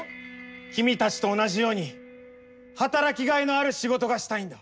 君たちと同じように働きがいのある仕事がしたいんだ。